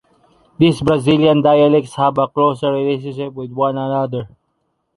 These Brazilian dialects have a closer relationship with one another.